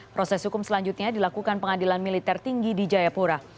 proses hukum selanjutnya dilakukan pengadilan militer tinggi di jayapura